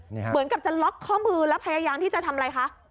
เหมือนกับจะล็อกข้อมือแล้วพยายามที่จะทำอะไรคะ